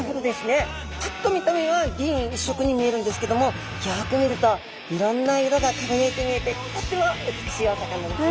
パッと見た目は銀一色に見えるんですけどもよく見るといろんな色が輝いて見えてとっても美しいお魚ですね。